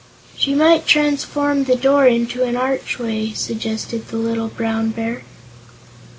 "She might transform the door into an archway," suggested the little Brown Bear.